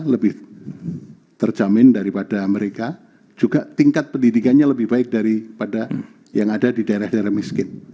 lebih terjamin daripada mereka juga tingkat pendidikannya lebih baik daripada yang ada di daerah daerah miskin